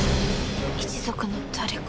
「一族の誰か」